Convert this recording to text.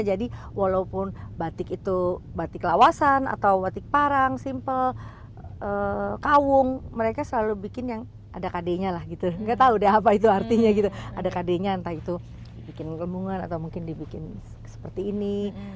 jadi walaupun batik itu batik lawasan atau batik parang simple kawung mereka selalu bikin yang ada kadiknya lah gitu gak tau deh apa itu artinya gitu ada kadiknya entah itu dibikin lembungan atau mungkin dibikin seperti ini